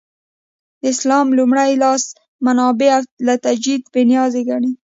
د اسلام لومړي لاس منابع له تجدیده بې نیازه ګڼي.